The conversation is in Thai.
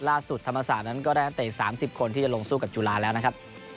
ธรรมศาสตร์นั้นก็ได้นักเตะ๓๐คนที่จะลงสู้กับจุฬาแล้วนะครับ